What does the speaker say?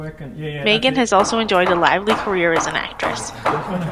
Megan has also enjoyed a lively career as an actress.